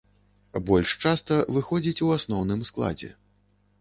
Больш часта выходзіць у асноўным складзе.